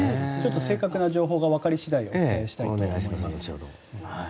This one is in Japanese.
正確な情報がわかり次第お伝えしたいと思います。